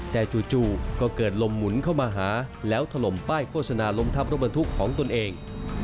แต่จู่ก็เกิดลมหมุนเข้ามาหาแล้วถล่มป้ายโฆษณาล้มทับรถบรรทุกของตนเอง